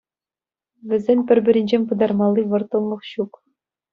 Вӗсен пӗр-пӗринчен пытармалли вӑрттӑнлӑх ҫук.